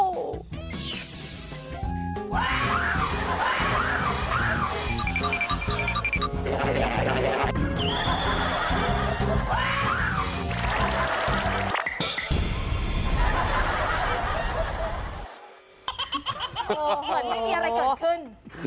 คือเหมือนไม่มีอะไรเกิดขึ้น